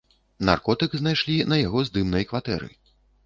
Наркотык знайшлі на яго здымнай кватэры.